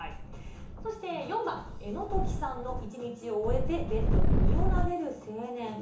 そして４番、江野兎季さんの一日を終えてベッドに身を投げる青年。